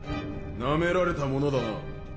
なめられたものだな。